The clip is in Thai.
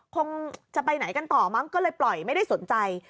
คงจะไปไหนกันต่อมั้งก็เลยปล่อยไม่ได้สนใจ